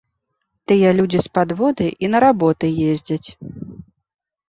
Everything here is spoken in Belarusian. Тыя людзі з падводы і на работы ездзяць.